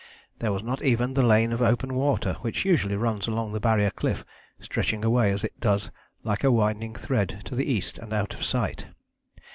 There was not even the lane of open water which usually runs along the Barrier cliff stretching away as it does like a winding thread to the east and out of sight.